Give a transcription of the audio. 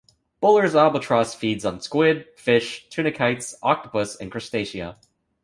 Buller's albatross feeds on squid, fish, tunicates, octopus, and crustacea.